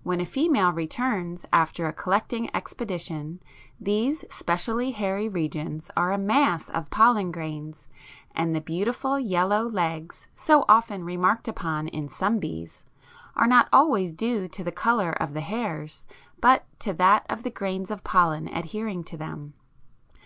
8). When a female returns after a collecting expedition these specially hairy regions are a mass of pollen grains, and the "beautiful yellow legs", so often remarked upon in some bees, are not always due to the colour of the hairs but to that of the grains of pollen adhering to them.